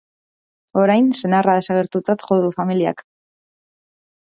Orain, senarra desagertutzat jo du familiak.